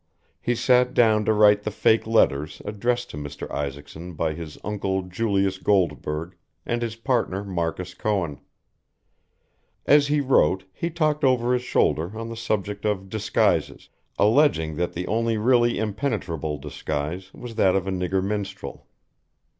He sat down to write the fake letters addressed to Mr. Isaacson by his uncle Julius Goldberg and his partner Marcus Cohen. As he wrote he talked over his shoulder on the subject of disguises, alleging that the only really impenetrable disguise was that of a nigger minstrel.